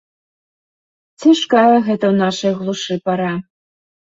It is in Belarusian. Цяжкая гэта ў нашай глушы пара.